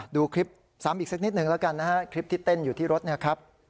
ดูคลิปซ้ำอีกสักนิดหนึ่งแล้วกันนะฮะคลิปที่เต้นอยู่ที่รถเนี่ยครับ